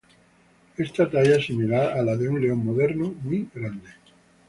Esta talla es similar a la de un león moderno muy grande.